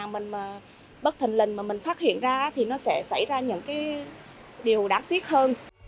mình bất thần lình mà mình phát hiện ra thì nó sẽ xảy ra những điều đáng tiếc hơn